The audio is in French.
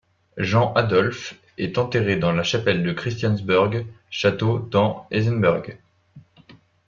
Jean Adolphe est enterré dans la chapelle de Christiansburg Château dans Eisenberg.